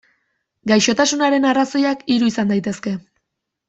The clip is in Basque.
Gaixotasunaren arrazoiak hiru izan daitezke.